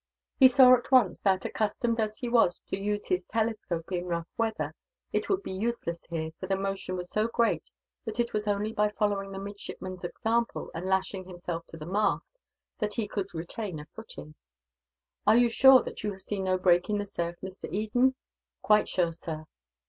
He saw at once that, accustomed as he was to use his telescope in rough weather, it would be useless here; for the motion was so great that it was only by following the midshipman's example, and lashing himself to the mast, that he could retain a footing. "You are sure that you have seen no break in the surf, Mr. Eden?" "Quite sure, sir."